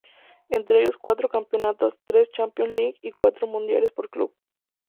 Entre ellos cuatros campeonatos, tres Champions League y cuatro Mundiales por club.